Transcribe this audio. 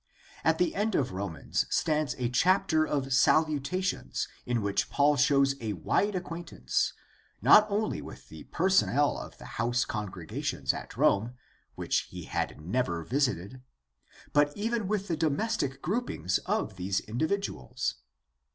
At the end of Romans stands a chapter of salutations in which Paul shows a wide acquaintance, not only with the personnel of the house congre gations at Rome, which he had never visited, but even with the domestic groupings of these individuals.